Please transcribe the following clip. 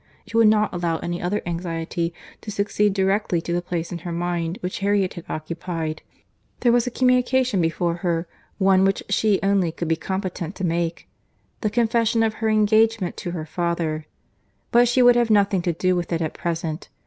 She would not allow any other anxiety to succeed directly to the place in her mind which Harriet had occupied. There was a communication before her, one which she only could be competent to make—the confession of her engagement to her father; but she would have nothing to do with it at present.